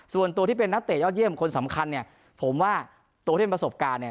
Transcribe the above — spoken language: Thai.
ส่วนตัวที่เป็นนักเตะยอดเยี่ยมคนสำคัญเนี่ยผมว่าตัวที่เป็นประสบการณ์เนี่ย